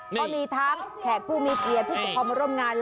ก็มีทั้งแขกผู้มีเกียรติผู้ปกครองมาร่วมงาน